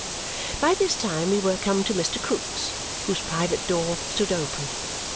By this time we were come to Mr. Krook's, whose private door stood open.